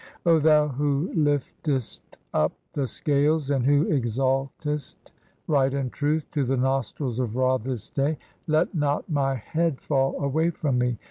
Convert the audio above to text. (6) O thou who liftest up the Scales and "who exaltest right and truth to the nostrils of Ra this day, "let not my head fall away from me.